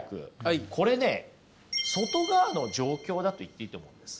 これね外側の状況だと言っていいと思うんです。